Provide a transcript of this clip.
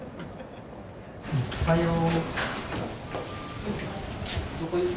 おはよう。